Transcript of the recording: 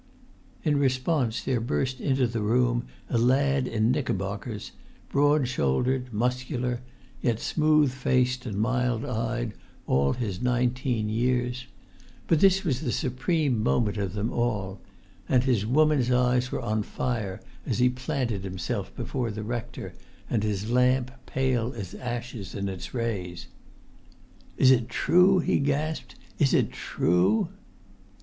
In response there burst into the room a lad in knickerbockers, broad shouldered, muscular, yet smooth faced, and mild eyed all his nineteen years; but this was the supreme moment of them all; and his woman's eyes were on fire as he planted himself before the rector and his lamp, pale as ashes in its rays. "Is it true?" he gasped. "Is it true?"